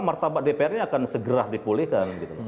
martabat dpr ini akan segera dipulihkan